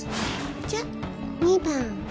じゃ２番。